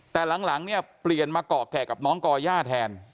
แต่หลังเนี่ยเปลี่ยนมาเกาะแก่กับน้องก่อย่าแทน